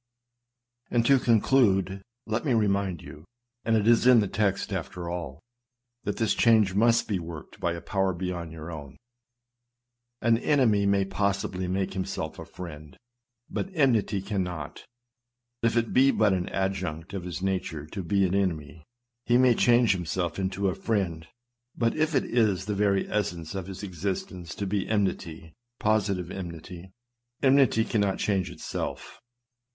And to conclude, let me remind you — and it is in the text after all — that this change must be worked by a power beyond your own. An enemy may possibly make himself a friend; but enmity cannot. If it be but an adjunct of his nature to be an enemy, he may change himself into a friend ; but if it is the very essence of his existence to be enmity, positive enmity, enmity cannot change itself.